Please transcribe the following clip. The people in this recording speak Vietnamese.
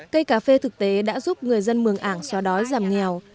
cây cà phê thực tế đã giúp người dân mường ảng xóa đói giảm nghèo